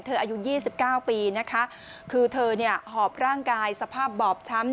เธออายุ๒๙ปีคือเธอหอบร่างกายสภาพบอบช้ำ